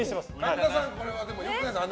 神田さんこれは良くないですよね。